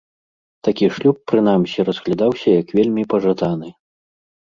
Такі шлюб прынамсі разглядаўся як вельмі пажаданы.